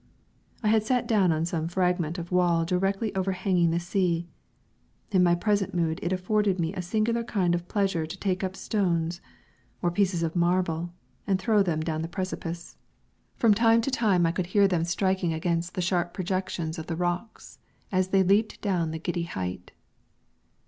I had sat down on some fragment of wall directly overhanging the sea. In my present mood it afforded me a singular kind of pleasure to take up stones or pieces of marble and throw them down the precipice. From time to time I could hear them striking against the sharp projections of the rocks as they leaped down the giddy height.